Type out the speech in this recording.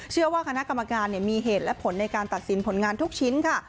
เชื่อว่าคณะกรรมการมีเหตุและผลในการตัดสินผลงานทุกชิ้นค่ะ